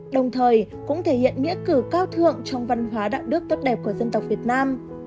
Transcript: đồng thời cũng thể hiện nghĩa cử cao thượng trong văn hóa đạo đức tốt đẹp của dân tộc việt nam